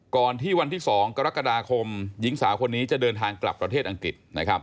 ก่อนที่วันที่๒กรกฎาคมหญิงสาวคนนี้จะเดินทางกลับประเทศอังกฤษ